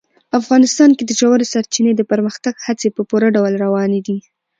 افغانستان کې د ژورې سرچینې د پرمختګ هڅې په پوره ډول روانې دي.